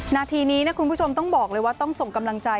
นาทีนี้นะคุณผู้ชมต้องบอกเลยว่าต้องส่งกำลังใจ